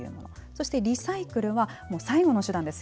そして、リサイクルは最後の手段です。